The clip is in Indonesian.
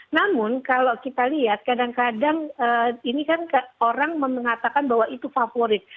namun kalau kita lihat kadang kadang ini kan orang mengatakan bahwa itu favorit